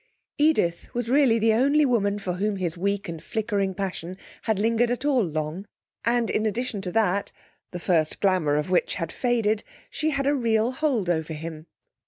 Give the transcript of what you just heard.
Edith was really the only woman for whom his weak and flickering passion had lingered at all long; and in addition to that (the first glamour of which had faded) she had a real hold over him.